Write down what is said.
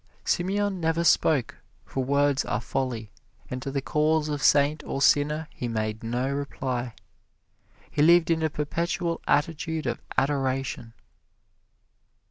Simeon never spoke, for words are folly, and to the calls of saint or sinner he made no reply. He lived in a perpetual attitude of adoration.